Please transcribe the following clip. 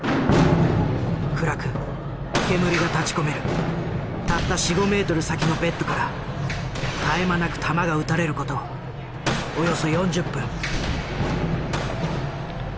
暗く煙が立ちこめるたった４５ｍ先のベッドから絶え間なく弾が撃たれる事およそ４０分。